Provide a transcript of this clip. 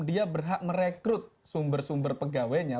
dia berhak merekrut sumber sumber pegawainya